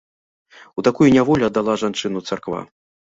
У такую няволю аддала жанчыну царква.